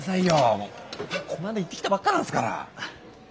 もうこの間行ってきたばっかなんですから。